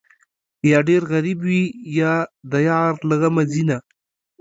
یا ډېر غریب وي، یا د یار له غمه ځینه